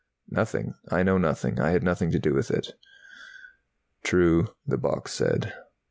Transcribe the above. "Nothing I know nothing. I had nothing to do with it." "True," the box said.